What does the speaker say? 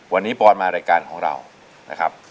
วันนี้ปอนมารายการของเรานะครับ